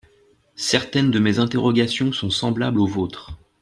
Certaines de mes interrogations sont semblables aux vôtres.